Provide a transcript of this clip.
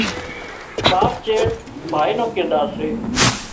ٻاپ چيڙ ڀائي نو ڪردار سي